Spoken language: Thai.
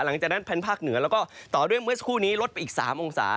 หลังจากนั้นแผนภาคเหนือแล้วก็ต่อด้วยเมื่อสักครู่นี้ลดไปอีก๓องศา